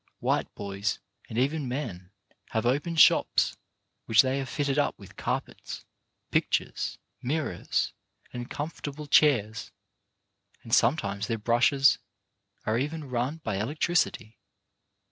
White boys and even men have opened shops which they have fitted up with carpets, pictures, mirrors, and comfortable chairs, and sometimes their brushes are even run by electricity.